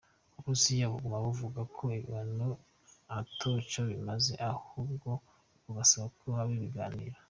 Uburusiya buguma buvuga ko ibihano ata co bimaze ahubwo bugasaba ko haba ibiganiro.